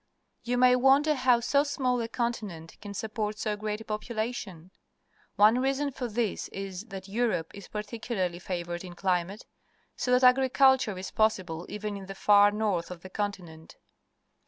Yo\i may wonder how so small a continent can support so great a population. One reason for this is that Europe is particularly favoured in climate, so that agriculture is possible even in the far north of the con tinent.